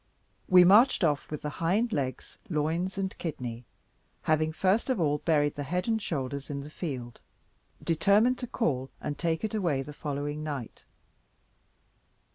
We marched off with the hind legs, loins, and kidney, having first of all buried the head and shoulders in the field, determined to call and take it away the following night.